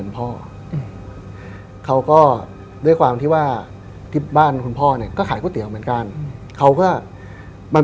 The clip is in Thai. เพราะว่าบ้านคุณพ่อก็ขายกระเตียวกัน